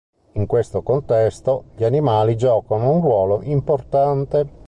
In questo contesto, gli animali giocano un ruolo importante.